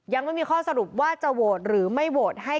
ยังไม่มีข้อสรุปว่าจะโหวตหรือไม่โหวตให้